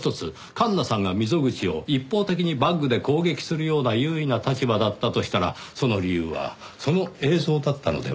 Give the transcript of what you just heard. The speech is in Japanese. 環那さんが溝口を一方的にバッグで攻撃するような優位な立場だったとしたらその理由はその映像だったのでは？